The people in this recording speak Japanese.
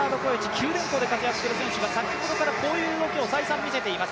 九電工で活躍する選手が先ほどからこういう動きを再三見せています。